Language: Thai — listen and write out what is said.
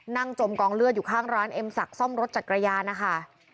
จมกองเลือดอยู่ข้างร้านเอ็มศักดิ์ซ่อมรถจักรยานนะคะ